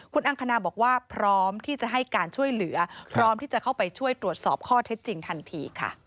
คุณอังคณาบอกว่าพร้อมที่จะให้การช่วยเหลือพร้อมที่จะเข้าไปช่วยตรวจสอบข้อเท็จจริงทันทีค่ะ